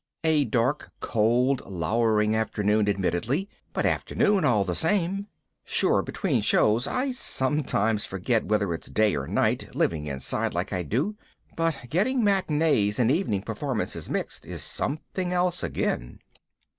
A dark cold lowering afternoon, admittedly. But afternoon all the same. Sure, between shows I sometimes forget whether it's day or night, living inside like I do. But getting matinees and evening performances mixed is something else again.